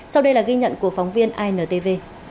sau đây là ghi nhận của phóng viên intv